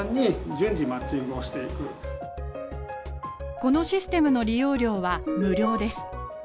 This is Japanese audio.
このシステムの利用料は無料です。